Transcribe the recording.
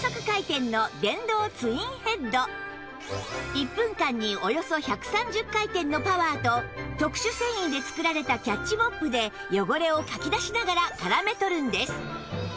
１分間におよそ１３０回転のパワーと特殊繊維で作られたキャッチモップで汚れをかき出しながら絡め取るんです